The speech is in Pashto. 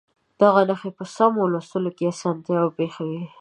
دغه نښې په سمو لوستلو کې اسانتیا پېښوي.